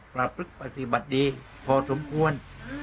ปราปรึกปฏิบัติดีพอสมควร